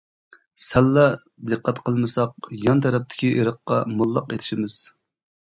سەللە دىققەت قىلمىساق يان تەرەپتىكى ئېرىققا موللاق ئېتىشىمىز.